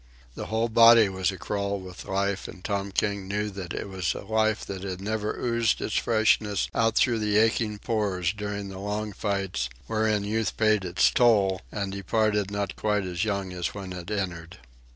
The whole body was a crawl with life, and Tom King knew that it was a life that had never oozed its freshness out through the aching pores during the long fights wherein Youth paid its toll and departed not quite so young as when it entered.